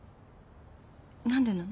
何でなの？